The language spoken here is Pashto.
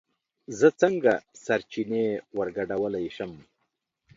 زه څنگه سرچينې ورگډولی شم